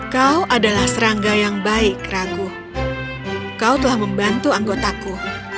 kau adalah serangga yang baik ragu kau telah membantu anggotaku